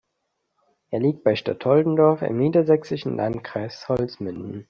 Er liegt bei Stadtoldendorf im niedersächsischen Landkreis Holzminden.